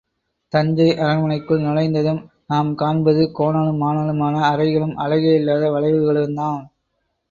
தஞ்சை அரண்மனைக்குள் நுழைந்ததும் நாம் காண்பது கோணலும் மாணலுமான அறைகளும், அழகே இல்லாத வளைவுகளும் தான்.